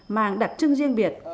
mang đặc trưng riêng biệt